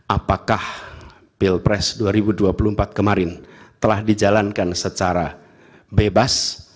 apakah pilpres dua ribu dua puluh empat kemarin telah dijalankan secara bebas